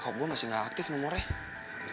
kok gue masih gak aktif nomornya